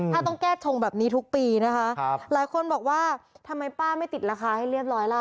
ถ้าต้องแก้ชงแบบนี้ทุกปีนะคะหลายคนบอกว่าทำไมป้าไม่ติดราคาให้เรียบร้อยล่ะ